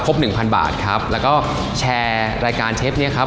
หนึ่งพันบาทครับแล้วก็แชร์รายการเชฟเนี้ยครับ